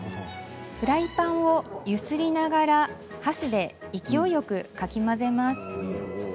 フライパンを揺すりながら箸で勢いよくかき混ぜます。